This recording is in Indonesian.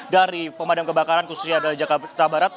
dari pemadam kebakaran khususnya dari jakarta barat